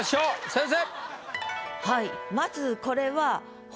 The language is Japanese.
先生！